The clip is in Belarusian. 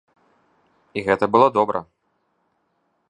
І гэта было добра.